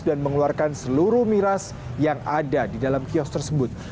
dan mengeluarkan seluruh miras yang ada di dalam kios tersebut